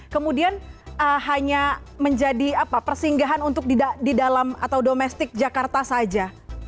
kemudian hanya menjadi persinggahan untuk di dalam atau domestik jakarta saja